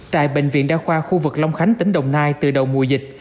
tại bệnh viện đa khoa khu vực long khánh tỉnh đồng nai từ đầu mùa dịch